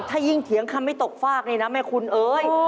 ถ้ายิ่งเถียงคำไม่ตกฟากนี่นะแม่คุณเอ้ย